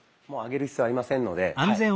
もう上げる必要ありませんのではい。